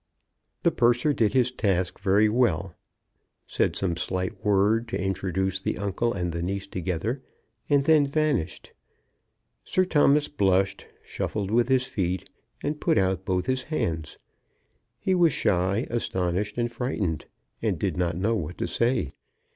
The purser did his task very well, said some slightest word to introduce the uncle and the niece together, and then vanished. Sir Thomas blushed, shuffled with his feet, and put out both his hands. He was shy, astonished, and frightened, and did not know what to say.